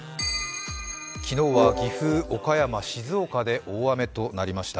昨日は岐阜、岡山、静岡で大雨となりました。